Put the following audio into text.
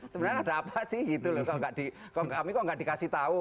sebenarnya ada apa sih gitu loh kami kok nggak dikasih tahu